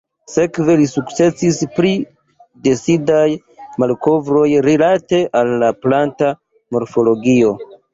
Sekve li sukcesis pri decidaj malkovroj rilate al la planta morfologio.